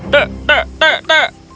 teh teh teh teh